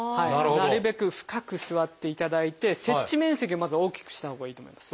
なるべく深く座っていただいて接地面積をまず大きくしたほうがいいと思います。